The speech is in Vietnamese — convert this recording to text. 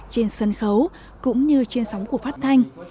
trên sân khấu cũng như trên sóng của phát thanh